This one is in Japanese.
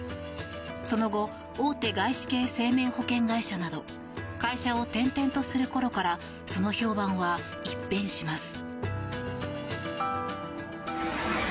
その後大手外資系生命保険会社など会社を転々とする頃からその評判は一変します。